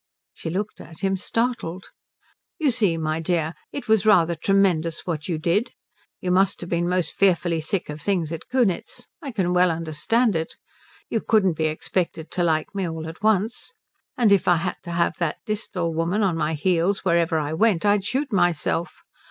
She looked at him startled. "You see my dear it was rather tremendous what you did. You must have been most fearfully sick of things at Kunitz. I can well understand it. You couldn't be expected to like me all at once. And if I had to have that Disthal woman at my heels wherever I went I'd shoot myself.